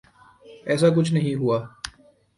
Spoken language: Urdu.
ایساکچھ نہیں ہوا۔